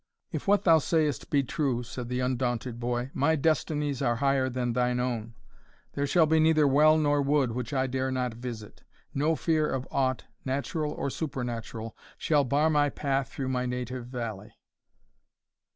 "If what thou sayest be true," said the undaunted boy, "my destinies are higher than thine own. There shall be neither well nor wood which I dare not visit. No fear of aught, natural or supernatural, shall bar my path through my native valley."